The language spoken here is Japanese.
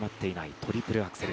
トリプルアクセル。